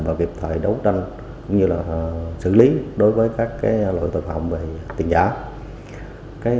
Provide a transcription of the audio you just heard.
và việc thời đấu tranh cũng như là xử lý đối với các loại tội phạm về tiền giả